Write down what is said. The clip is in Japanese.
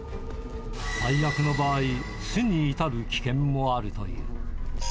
最悪の場合、死に至る危険もあるという。